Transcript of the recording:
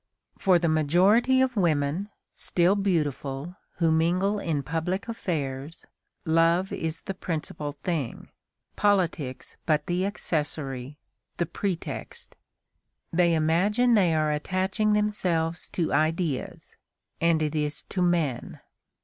For the majority of women, still beautiful, who mingle in public affairs, love is the principal thing; politics but the accessory, the pretext. They imagine they are attaching themselves to ideas, and it is to men.